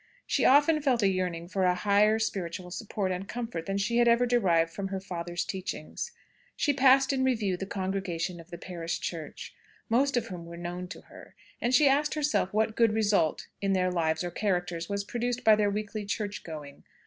She often felt a yearning for a higher spiritual support and comfort than she had ever derived from her father's teachings. She passed in review the congregation of the parish church, most of whom were known to her, and she asked herself what good result in their lives or characters was produced by their weekly church going.